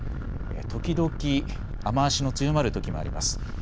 時々雨足の強まるときもあります。